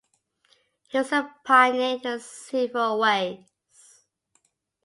He was a pioneer in several ways.